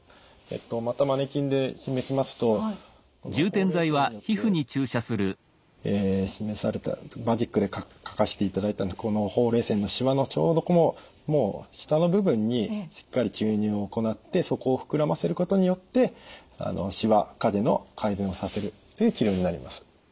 またマネキンで示しますとこのほうれい線によって示されたマジックで書かせていただいたこのほうれい線のしわのちょうどもう下の部分にしっかり注入を行ってそこを膨らませることによってしわ影の改善をさせるっていう治療になります。